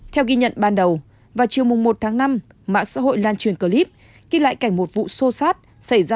theo ghi nhận ban đầu vào chiều một tháng năm mạng xã hội lan truyền clip ký lại cảnh một vụ sô sát xảy ra